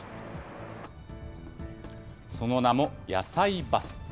その名も、やさいバス。